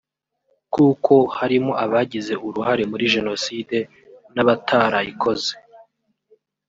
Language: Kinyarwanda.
kuko harimo abagize uruhare muri jenoside n’abatarayikoze